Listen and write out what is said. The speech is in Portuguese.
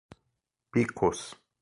Picos